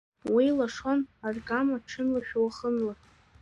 Уи лашон аргама, ҽынлашәа уахынла.